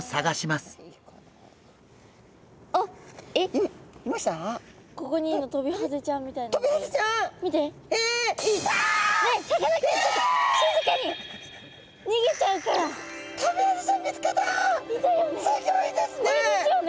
すギョいですね！